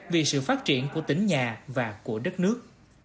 vì sự phát triển của tỉnh nhà và của đất nước